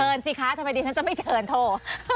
ชื่อนสิคะทำไมฉันจะไม่ชื่นโทร